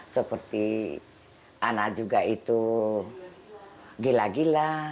seperti anak juga itu gila gila